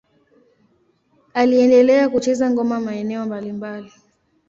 Aliendelea kucheza ngoma maeneo mbalimbali.